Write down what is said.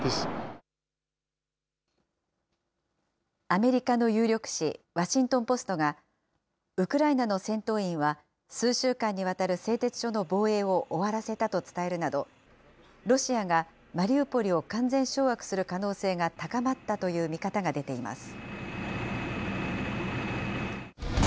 アメリカの有力紙、ワシントン・ポストが、ウクライナの戦闘員は、数週間にわたる製鉄所の防衛を終わらせたと伝えるなど、ロシアがマリウポリを完全掌握する可能性が高まったという見方が出ています。